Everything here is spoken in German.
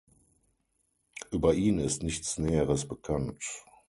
Über ihn ist nichts Näheres bekannt.